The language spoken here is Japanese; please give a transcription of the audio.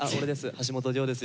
橋本涼です。